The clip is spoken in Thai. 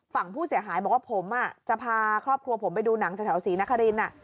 ฝั่งผู้เสียหายบอกว่าผมอ่ะจะพาครอบครัวผมไปดูหนังจากแถวศรีนธรรมนิชย์น่ะ